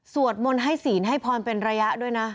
สวดมนต์ให้ศีลให้พรเป็นระยะด้วยนะ